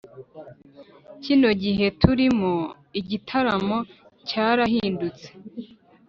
kino gihe turimo igitaramo cyarahindutse.